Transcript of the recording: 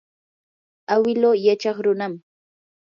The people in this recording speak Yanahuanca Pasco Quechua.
awilu yachaw runam.